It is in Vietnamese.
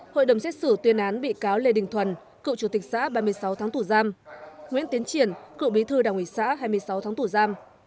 hội đồng xét xử tuyên án bị cáo lê đình thuần cựu chủ tịch xã ba mươi sáu tháng tù giam nguyễn tiến triển cựu bí thư đảng ủy xã hai mươi sáu tháng tù giam